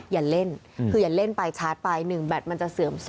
อย่าเล่นคืออย่าเล่นไปชาร์จไป๑แบตมันจะเสื่อม๒